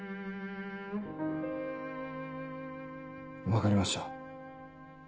分かりました。